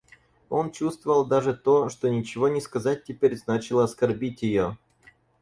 Он чувствовал даже то, что ничего не сказать теперь значило оскорбить ее.